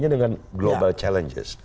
ini dengan global challenges